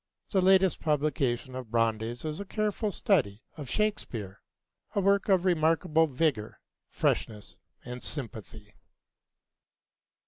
The latest publication of Brandes is a careful study of Shakespeare, a work of remarkable vigor, freshness, and sympathy.